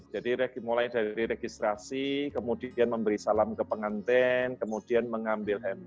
jadi mulai dari registrasi kemudian memberi salam ke pengantin kemudian mengambil hand